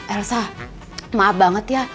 elsa maaf banget ya